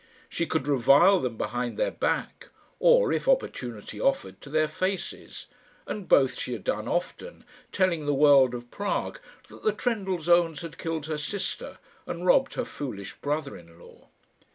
She could revile them behind their back, or, if opportunity offered, to their faces; and both she had done often, telling the world of Prague that the Trendellsohns had killed her sister, and robbed her foolish brother in law.